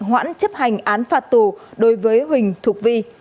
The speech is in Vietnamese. hoãn chấp hành án phạt tù đối với huỳnh thuộc vi